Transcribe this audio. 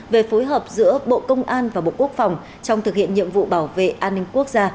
về phối hợp giữa bộ công an và bộ quốc phòng trong thực hiện nhiệm vụ bảo vệ an ninh quốc gia